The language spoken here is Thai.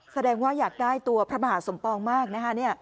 แสดงว่าอยากได้ตัวพระมหาสมปองมากนะคะ